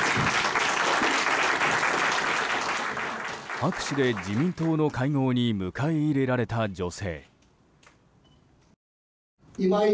拍手で自民党の会合に迎え入れられた女性。